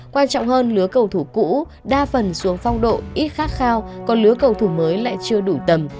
quan trọng hơn lứa cầu thủ cũ đa phần xuống phong độ ít khát khao còn lứa cầu thủ mới lại chưa đủ tầm